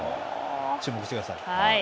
注目してください。